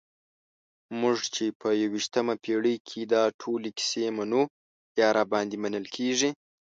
موږ چې په یویشتمه پېړۍ کې دا ټولې کیسې منو یا راباندې منل کېږي.